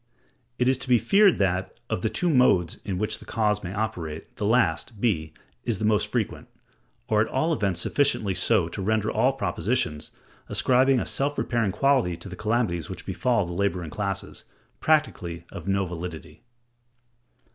It is to be feared that, of the two modes in which the cause may operate, the last (b) is the most frequent, or at all events sufficiently so to render all propositions, ascribing a self repairing quality to the calamities which befall the laboring classes, practically of no validity.